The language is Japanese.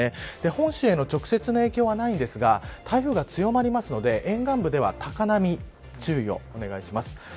本州への直接の影響はないんですが台風が強まるので、沿岸部では高波に注意をお願いします。